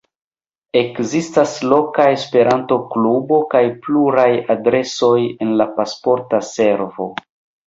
Ekzistas loka Esperanto-klubo kaj pluraj adresoj en la Pasporta Servo.